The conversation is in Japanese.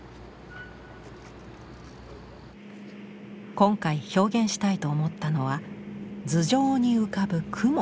今回表現したいと思ったのは頭上に浮かぶ雲。